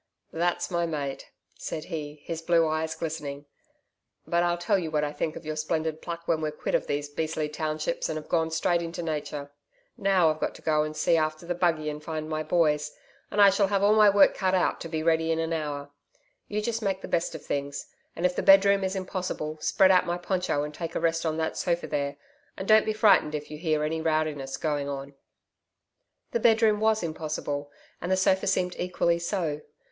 'That's my Mate,' said he, his blue eyes glistening. 'But I'll tell you what I think of your splendid pluck when we're quit of these beastly townships, and have gone straight into Nature. Now, I've got to go and see after the buggy and find my boys, and I shall have all my work cut out to be ready in an hour. You just make the best of things, and if the bedroom is impossible spread out my poncho and take a rest on that sofa there, and don't be frightened if you hear any rowdiness going on.' The bedroom was impossible, and the sofa seemed equally so.